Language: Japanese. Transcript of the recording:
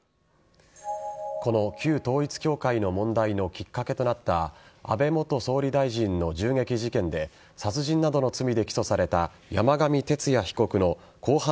この旧統一教会の問題のきっかけとなった安倍元総理大臣の銃撃事件で殺人などの罪で起訴された山上徹也被告の公判